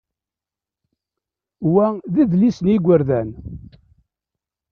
Wa d adlis n yigerdan.